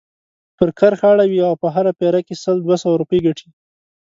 پر کرښه اړوي او په هره پيره کې سل دوه سوه روپۍ ګټي.